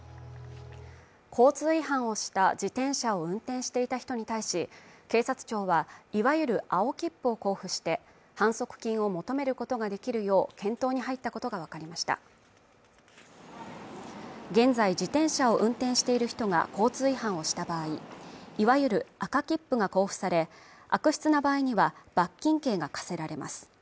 交通違反をした自転車を運転していた人に対し警察庁はいわゆる青切符を交付して反則金を求めることができるよう検討に入ったことが分かりました現在、自転車を運転している人が交通違反をした場合いわゆる赤切符が交付され悪質な場合には罰金刑が科せられます